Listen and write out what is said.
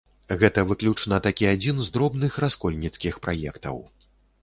Гэта выключна такі адзін з дробных раскольніцкіх праектаў.